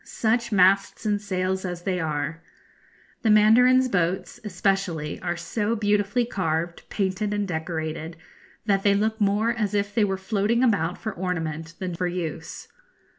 Such masts and sails as they are! The mandarins' boats, especially, are so beautifully carved, painted, and decorated, that they look more as if they were floating about for ornament than for use.